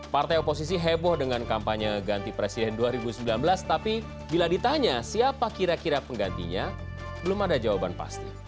partai oposisi heboh dengan kampanye ganti presiden dua ribu sembilan belas tapi bila ditanya siapa kira kira penggantinya belum ada jawaban pasti